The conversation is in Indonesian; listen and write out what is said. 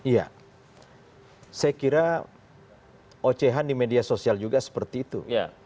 ya saya kira ocehan di media sosial juga seperti itu